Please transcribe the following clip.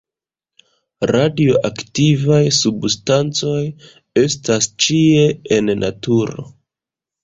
Radioaktivaj substancoj estas ĉie en naturo.